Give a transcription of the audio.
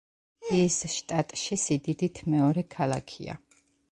ის შტატში სიდიდით მეორე ქალაქია.